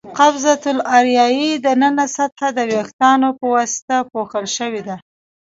قصبة الریې د ننه سطحه د وېښتانو په واسطه پوښل شوې ده.